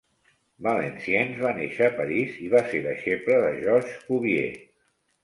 Valenciennes va néixer a París i va ser deixeble de Georges Cuvier.